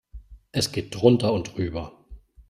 Es geht drunter und drüber.